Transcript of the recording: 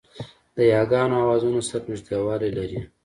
د یاګانو آوازونه سره نږدېوالی لري